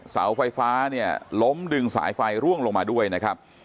เสาไฟฟ้าเนี่ยล้มดึงสายไฟร่วงลงมาด้วยนะครับ